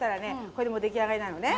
これでもう出来上がりなのね。